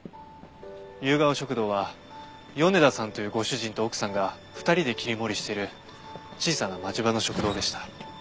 ゆうがお食堂は米田さんというご主人と奥さんが２人で切り盛りしてる小さな町場の食堂でした。